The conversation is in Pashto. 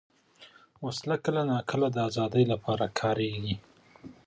وسله کله ناکله د ازادۍ لپاره کارېږي